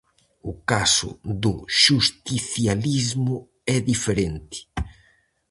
O caso do xusticialismo é diferente.